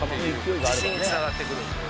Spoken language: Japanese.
自信につながってくる。